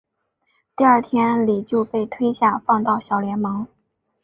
第二天李就被下放到小联盟。